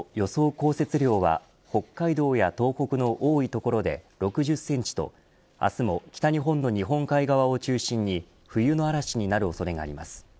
降雪量は北海道や東北の多い所で６０センチと明日も北日本の日本海側を中心に冬の嵐になる恐れがあります。